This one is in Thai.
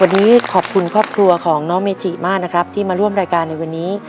วันนี้ขอบคุณครอบครัวของน้องเมจิมากนะครับที่มาร่วมรายการในวันนี้